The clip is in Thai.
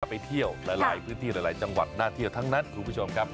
ไปเที่ยวหลายพื้นที่หลายจังหวัดน่าเที่ยวทั้งนั้นคุณผู้ชมครับ